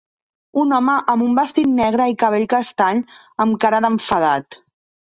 Un home amb un vestit negre i cabell castany amb cara d'enfadat.